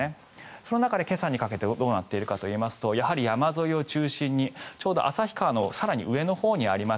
その中で今朝にかけてどうなっているかといいますとやはり山沿いを中心にちょうど旭川の更に上のほうにあります